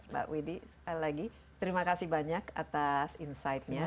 mbak widhi sekali lagi terima kasih banyak atas insight nya